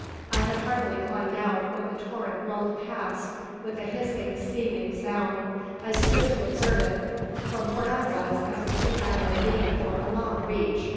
I had hardly climbed out when the torrent rolled past with a hissing, seething sound. I stood to observe it. From where I was I could see down the ravine for a long reach.